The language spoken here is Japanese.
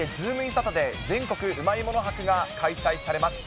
サタデー全国うまいもの博が開催されます。